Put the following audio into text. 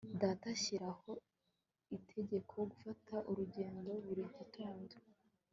Data ashyiraho itegeko gufata urugendo buri gitondo